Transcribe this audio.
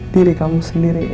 diri kamu sendiri